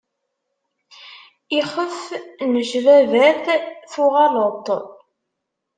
Ixef n cbabat tuɣeḍ-t.